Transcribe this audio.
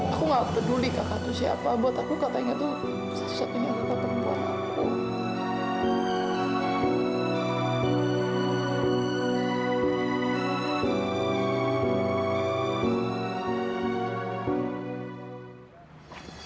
aku gak peduli kakak itu siapa buat aku katanya itu satu satunya kakak perempuan aku